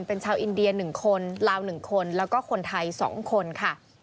เป็นชาวอินเดีย๑คนลาว๑คนแล้วก็คนไทย๒คนค่ะ